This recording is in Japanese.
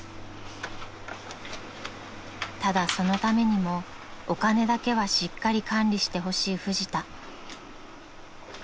［ただそのためにもお金だけはしっかり管理してほしいフジタ］